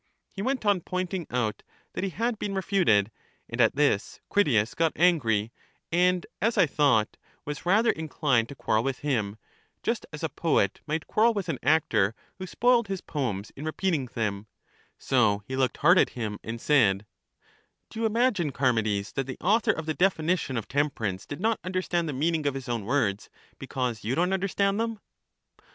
"He went on pointing out that he had been refuted, and at this Critias got angry, and, as I thought, was rather inclined to quarrel with him; just as a poet might CHARMIDES 21 quarrel with an actor who spoiled his poems in repeat ing them; so he looked hard at him and said — Do you imagine, Charmides, that the author of the definition of temperance did not understand the mean ing of his own words, because you don't understand them?